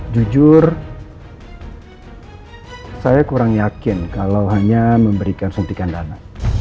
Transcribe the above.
jujur saya kurang yakin kalau hanya memberikan suntikan dana